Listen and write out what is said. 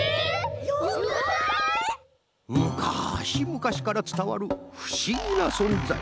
むかしむかしからつたわるふしぎなそんざい。